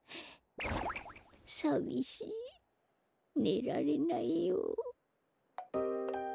さみしいねられないよ。